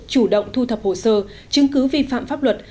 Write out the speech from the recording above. chủ động thu thập hồ sơ chứng cứ vi phạm pháp luật